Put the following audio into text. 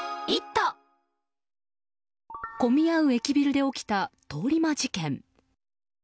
混み合う駅ビルで起きた通り魔事件。